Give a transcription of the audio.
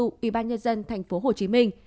ủy ban nhân dân thành phố hồ chí minh